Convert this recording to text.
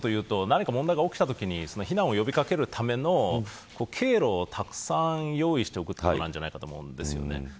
できることというと、何か問題が起きたときに避難を呼び掛けるための経路をたくさん用意しておくことなんじゃないかと思うんです。